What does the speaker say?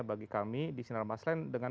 bagi kami di sinar maslen dengan